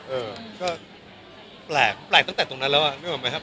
เออก็แปลกแปลกตั้งแต่ตรงนั้นแล้วอ่ะนึกออกไหมครับ